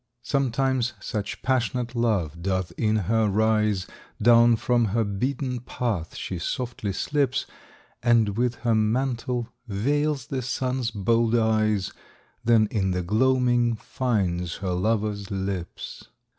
Sometimes such passionate love doth in her rise, Down from her beaten path she softly slips, And with her mantle veils the Sun's bold eyes, Then in the gloaming finds her lover's lips.